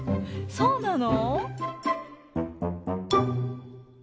そうなの？